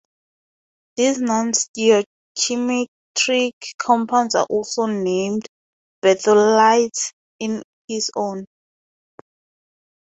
These non-stoichiometric compounds are also named "berthollides" in his honor.